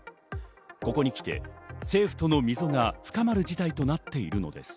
ここにきて政府との溝が深まる事態となっているのです。